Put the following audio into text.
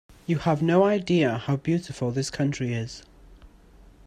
You have no idea how beautiful this country is.